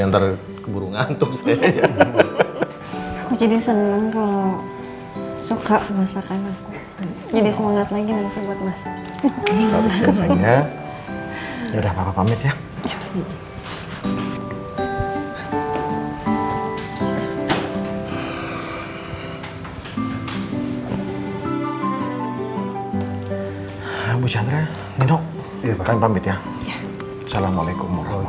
aku lagi mau ngecek